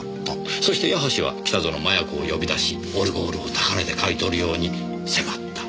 そして矢橋は北薗摩耶子を呼び出しオルゴールを高値で買い取るように迫った。